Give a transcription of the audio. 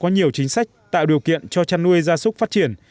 có nhiều chính sách tạo điều kiện cho chăn nuôi gia súc phát triển